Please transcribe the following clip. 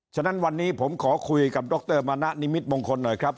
ฉะนั้นวันนี้ผมขอคุยกับดรมณะนิมิตมงคลหน่อยครับ